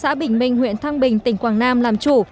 tân an xã bình minh huyện thăng bình tỉnh quảng nam làm chủ